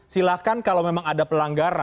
silahkan kalau memang ada pelanggaran